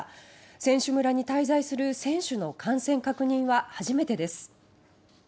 選手村に滞在する選手の感染確認は初めてです。